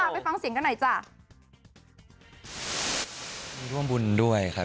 ไปฟังเสียงกันหน่อยจ้ะ